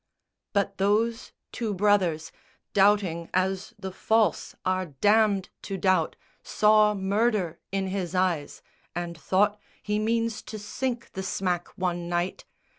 But those two brothers, doubting as the false Are damned to doubt, saw murder in his eyes, And thought "He means to sink the smack one night."